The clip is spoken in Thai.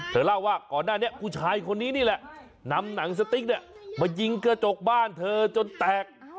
เธอเล่าว่าก่อนหน้านี้ผู้ชายคนนี้นี่แหละนำหนังสติ๊กเนี่ยมายิงกระจกบ้านเธอจนแตก